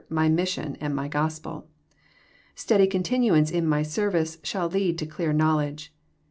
My mission, and My Gospel. Steady continuance in My service sbaU lead to clear knowledge.